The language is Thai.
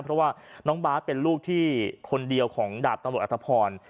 เพราะว่าน้องบาทเป็นลูกที่คนเดียวของดาบตำรวจอัตภพร